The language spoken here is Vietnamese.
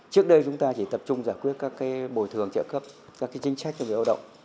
trước đây chúng ta chỉ tập trung giải quyết các cái bồi thường trợ cấp các cái chính trách cho người lao động